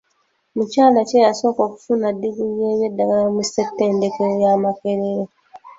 Mukyala ki eyasooka okufuna diguli y'ebyeddagala mu ssettendekero ya Makerere?